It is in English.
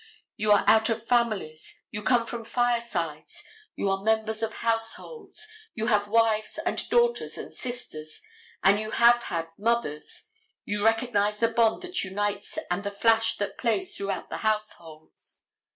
You are out of families, you come from firesides, you are members of households, you have wives and daughters and sisters and you have had mothers, you recognize the bond that unites and the flash that plays throughout the households.